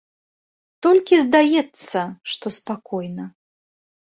Толькі здаецца, што спакойна.